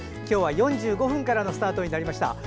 今日は、４５分からのスタートになりました。